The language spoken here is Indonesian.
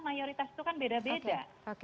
mayoritas itu kan beda beda